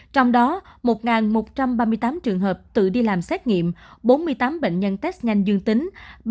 trong đó một một trăm ba mươi tám trường hợp tự đi làm xét nghiệm bốn mươi tám bệnh nhân test nhanh dương tính